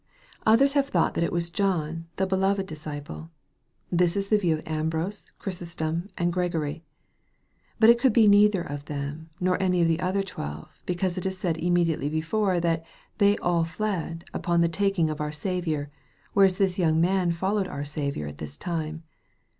Others have thought that it was John, the beloved disciple. This is the view of Ambrose, Chrysostom, and Gregory. But it could be neither of them, nor any other of the twelve, because it is said immediately before, that they " all fled" upon the taking of our Sa viour, whereas this young man followed our Saviour at this time.